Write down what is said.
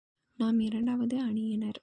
நாம் இரண்டாவது அணியினர்.